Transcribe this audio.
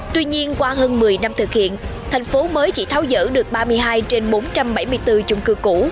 tuy nhiên qua hơn một mươi năm thực hiện thành phố mới chỉ tháo dỡ được ba mươi hai trên bốn trăm bảy mươi bốn chung cư cũ